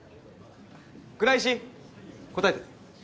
倉石答えて。